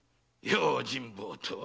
用心棒とは。